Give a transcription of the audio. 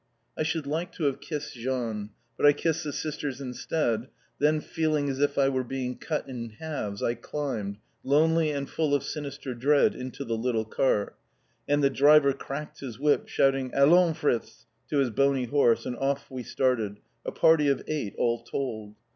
I should like to have kissed Jean, but I kissed the sisters instead, then feeling as if I were being cut in halves, I climbed, lonely and full of sinister dread, into the little cart, and the driver cracked his whip, shouting, "Allons, Fritz!" to his bony horse and off we started, a party of eight all told.